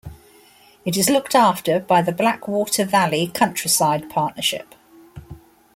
It is looked after by the Blackwater Valley Countryside Partnership.